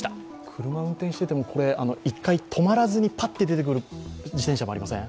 車運転してても１回止まらずにパッと出てくる自転車もありません？